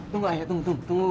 tunggu aja tunggu tunggu